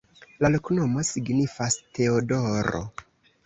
La loknomo signifas: Teodoro.